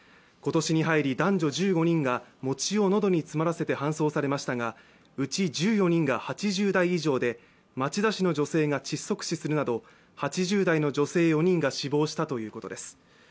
今年に入り男女１５人が餅を喉に詰まらせて搬送されましたがうち１４人が８０代以上で、町田市の女性が窒息死するなど８０代の女性４人が死亡したということです。